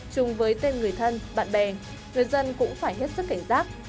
chung với tên người thân bạn bè người dân cũng phải hết sức cảnh giác